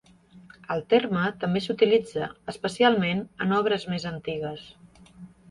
El terme també s'utilitza, especialment en obres més antigues.